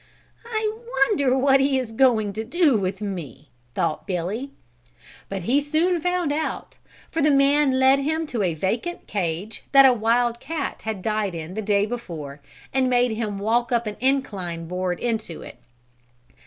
"I wonder what he is going to do with me," thought Billy. But he soon found out, for the man led him to a vacant cage that a wild cat had died in the day before, and made him walk up an inclined board into it.